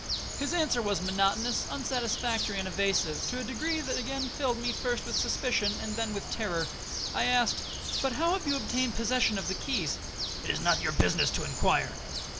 His answer was monotonous, unsatisfactory, and evasive, to a degree that again filled me first with suspicion, and then with terror. I asked, 'But how have you obtained possession of the keys?'—'It is not your business to inquire.'